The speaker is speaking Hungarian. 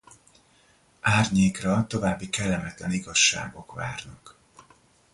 Árnyékra további kellemetlen igazságok várnak.